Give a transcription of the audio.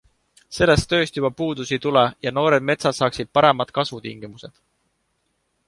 Sellest tööst juba puudus ei tule ja noored metsad saaksid paremad kasvutingimused.